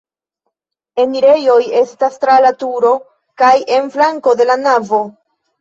Enirejoj estas tra la turo kaj en flanko de la navo.